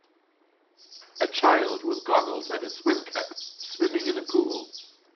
A child with goggles and a swim cap swimming in a pool.